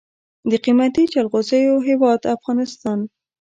د قیمتي جلغوزیو هیواد افغانستان.